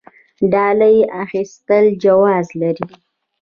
ډالۍ اخیستل جواز لري؟